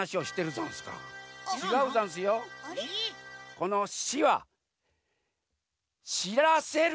この「し」は「し」らせる！